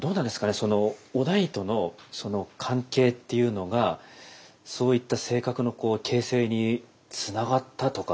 その於大との関係っていうのがそういった性格の形成につながったとか。